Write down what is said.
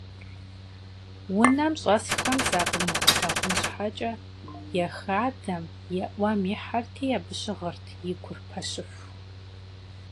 Унэм щӀэсхэм закъримыгъэлъагъун щхьэкӀэ е хадэм, е Ӏуэм ихьэрти абы щыгъырт, и гур пэщыху.